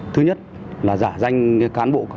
thứ nhất là giả danh cán bộ